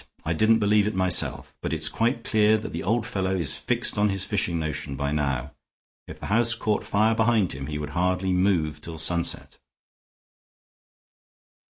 I didn't believe it myself, but it's quite clear that the old fellow is fixed on this fishing notion by now. If the house caught fire behind him he would hardly move till sunset."